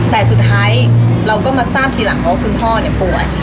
แต่สุดท้ายเราก็มาทราบทีหลังว่าคุณพ่อป่วย